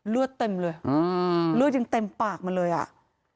เลือดเต็มเลยอ่าเลือดยังเต็มปากมาเลยอ่ะ